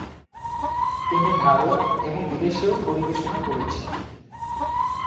তিনি ভারত এবং বিদেশেও পরিবেশনা করেছেন।